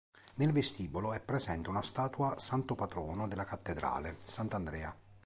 Nel vestibolo è presente una statua santo patrono della cattedrale, Sant'Andrea.